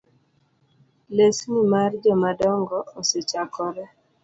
Lesni mar jomadongo osechakore